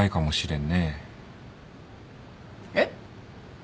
えっ？